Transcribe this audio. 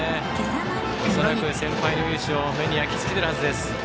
先輩の雄姿を目に焼きつけているはずです。